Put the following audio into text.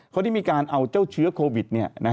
เขาได้มีการเอาเจ้าเชื้อโควิด